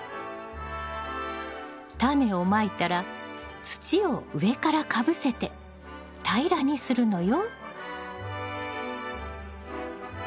タネをまいたら土を上からかぶせて平らにするのよ。